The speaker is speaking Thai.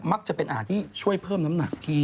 จะเป็นอาหารที่ช่วยเพิ่มน้ำหนักพี่